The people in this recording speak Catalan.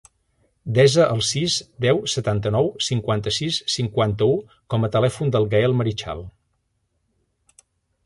Desa el sis, deu, setanta-nou, cinquanta-sis, cinquanta-u com a telèfon del Gaël Marichal.